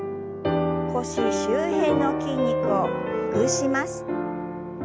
腰周辺の筋肉をほぐします。